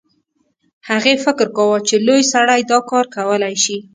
هغې فکر کاوه چې لوی سړی دا کار کولی شي